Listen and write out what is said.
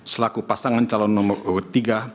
selaku pasangan calon nomor urut tiga